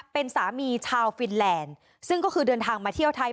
เป็นสามีชาวฟินแลนด์ซึ่งก็คือเดินทางมาเที่ยวไทย